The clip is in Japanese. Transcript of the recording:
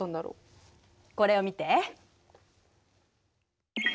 これを見て。